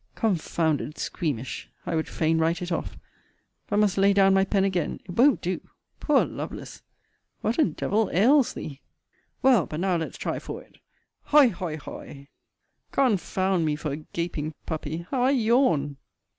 Confounded squeamish! I would fain write it off. But must lay down my pen again. It won't do. Poor Lovelace! What a devil ails thee? Well, but now let's try for't Hoy Hoy Hoy! Confound me for a gaping puppy, how I yawn!